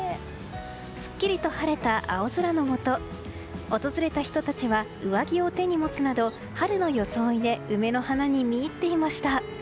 すっきりと晴れた青空の下訪れた人たちは上着を手に持つなど春の装いで梅の花に見入っていました。